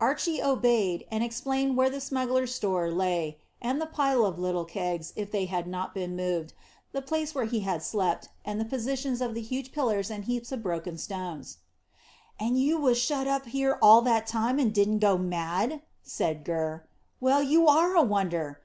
Archy obeyed, and explained where the smugglers' stores lay, and the pile of little kegs, if they had not been moved, the place where he had slept, and the positions of the huge pillars and heaps of broken stones. "And you was shut up here all that time, and didn't go mad!" said Gurr. "Well, you are a wonder!